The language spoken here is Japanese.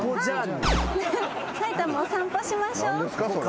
埼玉お散歩しましょう。